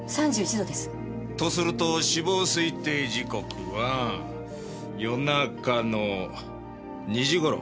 とすると死亡推定時刻は夜中の２時頃。